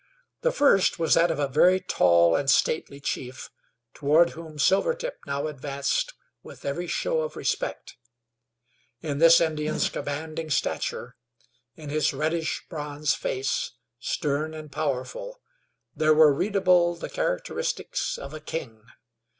The first was that of a very tall and stately chief, toward whom Silvertip now advanced with every show of respect. In this Indian's commanding stature, in his reddish bronze face, stern and powerful, there were readable the characteristics of a king.